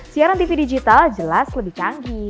siaran tv digital jelas lebih canggih